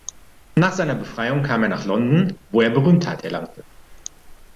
Nach seiner Befreiung kam er nach London, wo er Berühmtheit erlangte.